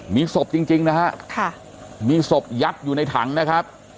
มีศพจริงนะฮะมีศพยัดอยู่ในถังนะครับ